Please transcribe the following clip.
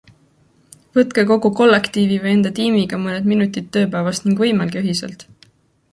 Võtke kogu kollektiivi või enda tiimiga mõned minutid tööpäevast ning võimelge ühiselt.